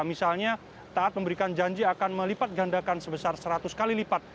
misalnya taat memberikan janji akan melipat gandakan sebesar seratus kali lipat